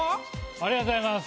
ありがとうございます。